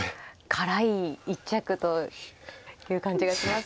辛い一着という感じがしますね。